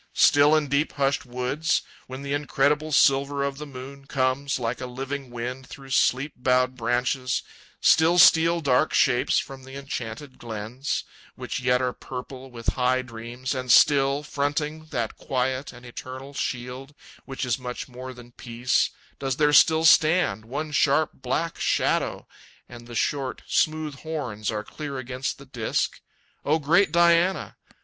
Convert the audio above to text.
Still in deep hushed woods, When the incredible silver of the moon Comes like a living wind through sleep bowed branches, Still steal dark shapes from the enchanted glens, Which yet are purple with high dreams, and still Fronting that quiet and eternal shield Which is much more than Peace, does there still stand One sharp black shadow and the short, smooth horns Are clear against that disk? O great Diana!